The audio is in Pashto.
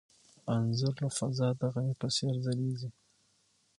انځور له فضا د غمي په څېر ځلېږي.